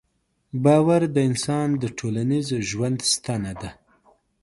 باور د انسان د ټولنیز ژوند ستنه ده.